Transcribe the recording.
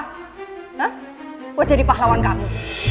gue jadi pahlawan kamu